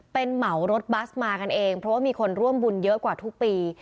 เป็นเหมารถบัสมากันเองเพราะว่ามีคนร่วมบุญเยอะกว่าทุกปี